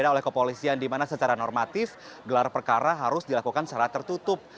oleh kepolisian dimana secara normatif gelar perkara harus dilakukan secara tertutup